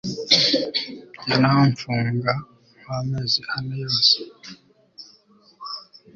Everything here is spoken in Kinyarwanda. yanamfunga nkamezi ane yose